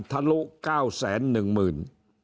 ทะลุ๙แสน๑หมื่น